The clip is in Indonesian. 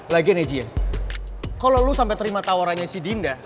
lagian ya ji kalo lu sampe terima tawarannya si dinda